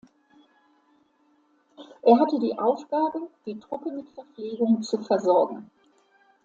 Er hatte die Aufgabe die Truppe mit Verpflegung zu versorgen.